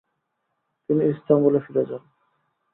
তিনি ইস্তাম্বুলে ফিরে যান।